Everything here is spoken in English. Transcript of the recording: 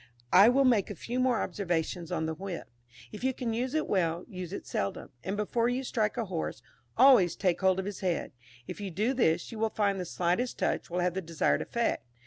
I will make a few more observations on the whip. If you can use it well, use it seldom, and before you strike a horse, always take hold of his head; if you do this, you will find the slightest touch will have the desired effect.